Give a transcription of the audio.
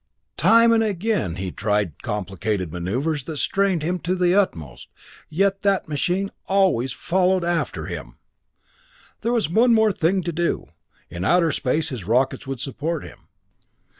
Time and again he tried complicated maneuvers that strained him to the utmost, yet that machine always followed after him! There was one more thing to do. In outer space his rockets would support him.